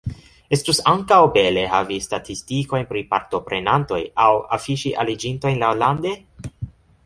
Estus ankaŭ bele havi statistikojn pri partoprenantoj aŭ afiŝi aliĝintojn laŭlande.